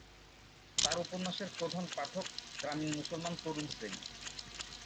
তার উপন্যাসের প্রধান পাঠক গ্রামীণ মুসলমান তরুণ শ্রেণি।